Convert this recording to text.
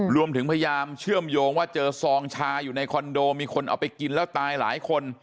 รวมถึงพยายามเชื่อมโยงว่าเจอซองชาอยู่ในคอนโดมีคนเอาไปกินแล้วตายหลายคน